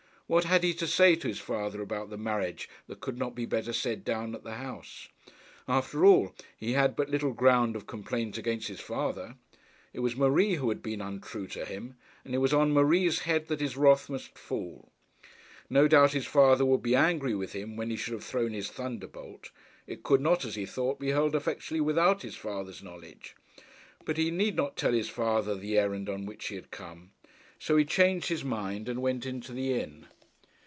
What had he to say to his father about the marriage that could not be better said down at the house? After all, he had but little ground of complaint against his father. It was Marie who had been untrue to him, and it was on Marie's head that his wrath must fall. No doubt his father would be angry with him when he should have thrown his thunderbolt. It could not, as he thought, be hurled effectually without his father's knowledge; but he need not tell his father the errand on which he had come. So he changed his mind, and went into the inn.